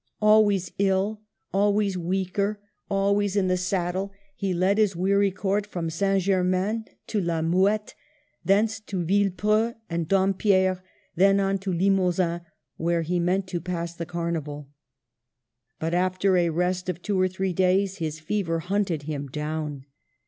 Always ill, always weaker, always in the saddle, he led his weary Court from St. Ger main to La Muette, thence to Villepreux and Dampierre, then on to Limosin, where he meant to pass the carnival. But after a rest of two or three days his fever hunted him on.